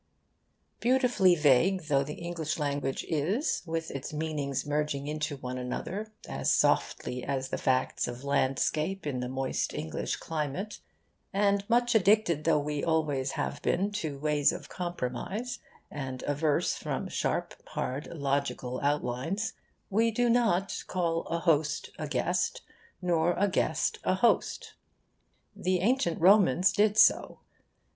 Beautifully vague though the English language is, with its meanings merging into one another as softly as the facts of landscape in the moist English climate, and much addicted though we always have been to ways of compromise, and averse from sharp hard logical outlines, we do not call a host a guest, nor a guest a host. The ancient Romans did so.